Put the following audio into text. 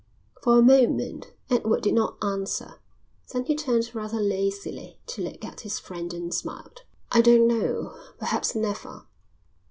For a moment Edward did not answer. Then he turned rather lazily to look at his friend and smiled. "I don't know. Perhaps never."